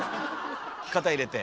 肩入れて。